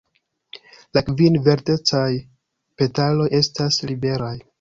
La kvin verdecaj petaloj estas liberaj.